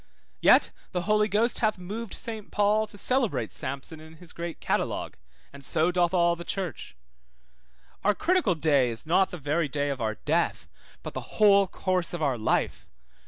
Yet the Holy Ghost hath moved Saint Paul to celebrate Samson in his great catalogue, 2525 Heb. 11. and so doth all the church. Our critical day is not the very day of our death, but the whole course of our life.